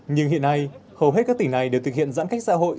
nhưng hiện nay hầu hết các tỉnh này đều thực hiện giãn cách xã hội